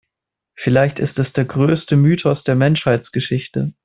Vielleicht ist es der größte Mythos der Menschheitsgeschichte.